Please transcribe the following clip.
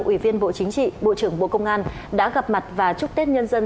ủy viên bộ chính trị bộ trưởng bộ công an đã gặp mặt và chúc tết nhân dân